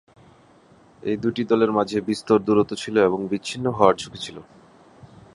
এই দুটি দলের মাঝে বিস্তর দূরত্ব ছিলো এবং বিচ্ছিন্ন হওয়ার ঝুঁকি ছিল।